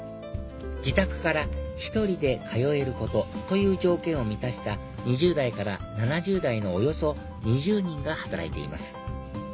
自宅から１人で通えることという条件を満たした２０代から７０代のおよそ２０人が働いています